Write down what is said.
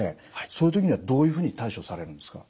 そういう時にはどういうふうに対処されるんですか？